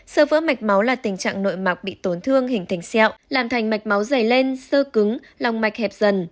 sơ vỡ mạch máu là tình trạng nội mặt bị tổn thương hình thành xẹo làm thành mạch máu dày lên sơ cứng lòng mạch hẹp dần